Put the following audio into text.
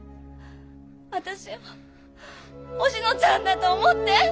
私をおしのちゃんだと思って。